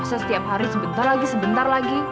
bisa setiap hari sebentar lagi sebentar lagi